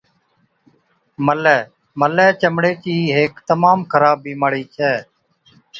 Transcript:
ملَی Eczema, ملَي چمڙِي چِي هيڪ تمام خراب بِيمارِي ڇَي۔